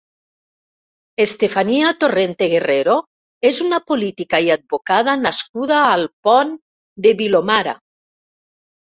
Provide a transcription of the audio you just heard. Estefania Torrente Guerrero és una política i advocada nascuda al Pont de Vilomara.